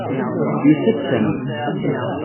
Yusa-d Sami.